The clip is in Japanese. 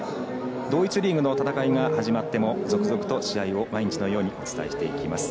同一リーグの戦いが始まっても続々と試合を毎日のようにお伝えしていきます。